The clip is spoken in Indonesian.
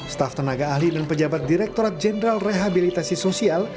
staf tenaga ahli dan pejabat direkturat jenderal rehabilitasi sosial